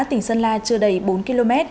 tỉnh sơn la chưa đầy bốn km